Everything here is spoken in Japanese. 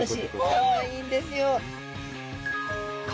かわいいんですよ。